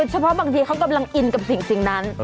เฉพาะบางทีเขากำลังอินกับสิ่งนั้น